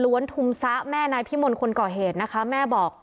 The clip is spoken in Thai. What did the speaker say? ทุมซะแม่นายพิมลคนก่อเหตุนะคะแม่บอก